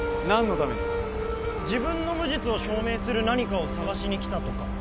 何のために自分の無実を証明する何かを探しにきたとか？